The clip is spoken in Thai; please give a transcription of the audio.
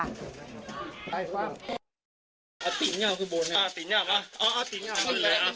อ่ะคุณผู้ชมคะเห็นภาพคนมามุงดูไหมคะ